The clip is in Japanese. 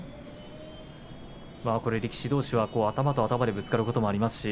力士どうしは頭と頭でぶつかることもありますから。